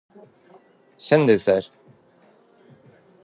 kjendiser